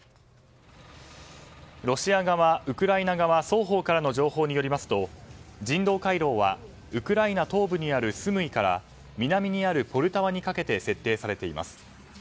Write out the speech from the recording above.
ロシア側、ウクライナ側双方からの情報によりますと人道回廊はウクライナ東部にあるスムイから南にあるポルタワにかけて設定されています。